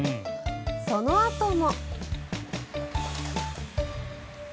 そのあとも。